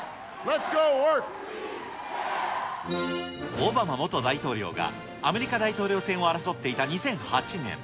オバマ元大統領が、アメリカ大統領選を争っていた２００８年。